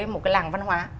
một cái làng văn hóa